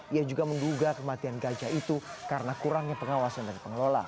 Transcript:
ia juga menduga kematian gajah itu karena kurangnya pengawasan dari pengelola